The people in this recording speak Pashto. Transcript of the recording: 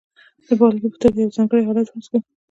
د بېلګې په توګه یو ځانګړی حالت فرض کوو.